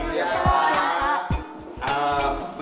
selamat siang pak